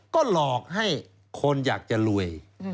ก็หลอกให้คนอยากจะรวย